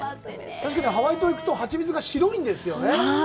確かにハワイ島行くと、ハチミツが白いんですよね。